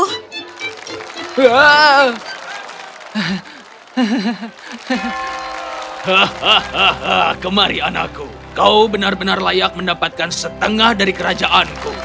hahaha kemari anakku kau benar benar layak mendapatkan setengah dari kerajaanku